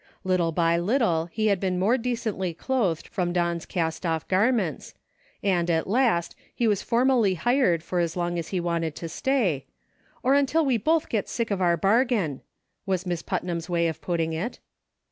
Little by little he had been more decently clothed from Don's cast off garments, and, at last, he was formally hired for as long as he wanted to stay, "Or until we both get sick of our bargain," was Miss Putnam's way of putting it.